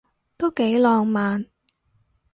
都幾浪漫